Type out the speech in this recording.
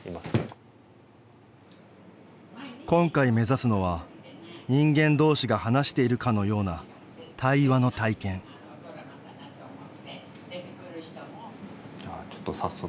今回目指すのは人間同士が話しているかのような「対話」の体験じゃあちょっと早速。